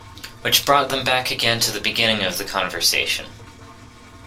Which brought them back again to the beginning of the conversation.